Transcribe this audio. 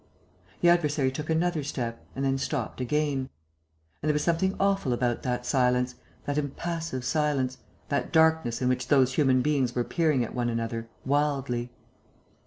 The adversary took another step and then stopped again. And there was something awful about that silence, that impassive silence, that darkness in which those human beings were peering at one another, wildly.